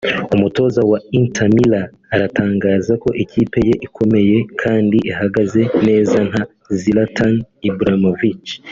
umutoza wa Inter Milan aratangaza ko ikipe ye ikomeye kandi ihagaze neza nta Zlatan Ibrahimovic